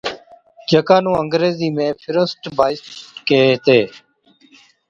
جڪا نُون انگريزِي ۾ فروسٽبائِيٽ (Frostbite) ڪيهي هِتي،